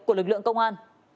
của lực lượng công an